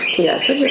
thì xuất hiện